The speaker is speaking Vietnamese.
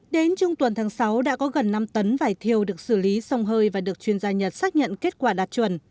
đến trung tuần tháng sáu đã có gần năm tấn vải thiêu được xử lý xong hơi và được chuyên gia nhật xác nhận kết quả đạt chuẩn